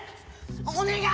お願い！